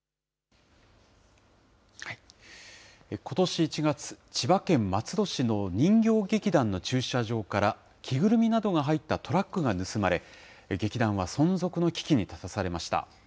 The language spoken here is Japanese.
ことし１月、千葉県松戸市の人形劇団の駐車場から、着ぐるみなどが入ったトラックが盗まれ、劇団は存続の危機に立たされました。